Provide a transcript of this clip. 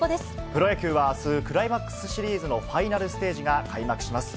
プロ野球はあす、クライマックスシリーズのファイナルステージが開幕します。